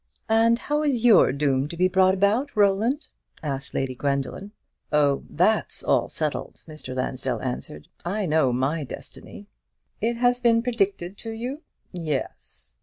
"And how is your doom to be brought about, Roland?" asked Lady Gwendoline. "Oh, that's all settled," Mr. Lansdell answered. "I know my destiny." "It has been predicted to you?" "Yes."